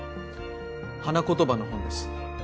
花言葉の本です。